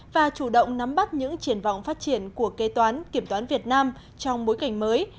và chủ động nắm bắt những triển vọng phát triển của kế toán kiểm toán việt nam trong bối cảnh mới